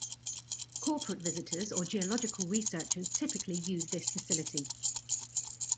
Corporate visitors or geological researchers typically use this facility.